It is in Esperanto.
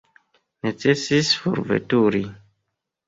Necesis forveturi.